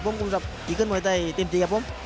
ผมคงจะกินมวยใต้เต็มที่กับผม